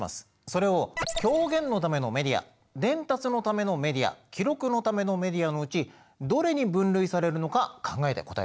それを「表現のためのメディア」「伝達のためのメディア」「記録のためのメディア」のうちどれに分類されるのか考えて答えてください。